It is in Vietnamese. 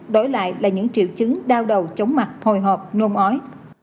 đổi lại là những triệu chứng đau đầu chóng mặt hồi hộp nôn ói